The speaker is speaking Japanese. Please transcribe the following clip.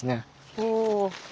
おお。